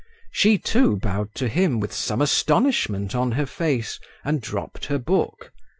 She, too, bowed to him, with some astonishment on her face, and dropped her book.